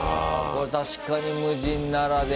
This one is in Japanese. これ確かに無人ならではだ。